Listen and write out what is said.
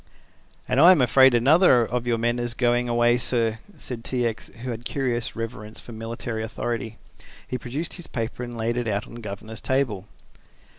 "And I am afraid another of your men is going away, sir," said T. X., who had a curious reverence for military authority. He produced his paper and laid it on the governor's table.